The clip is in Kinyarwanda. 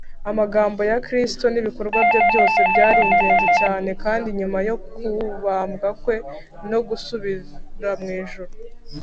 amagambo ya kristo n’ibikorwa bye byose byari ingenzi cyane, kandi nyuma yo kubambwa kwe no gusubira mu ijuru,